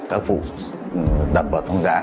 các vụ đập vào vườn hàng giá